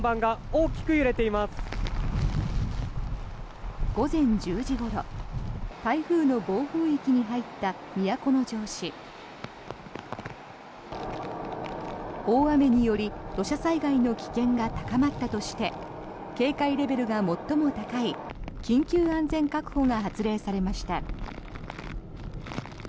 大雨により土砂災害の危険が高まったとして警戒レベルが最も高い緊急安全確保が発令されました。